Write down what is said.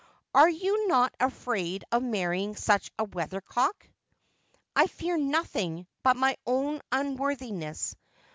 Are you not afraid of marrying such a weathercock 1 '' I fear nothing but my own unworthiness.